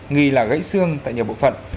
nghĩ là gãy xương tại nhiều bộ phận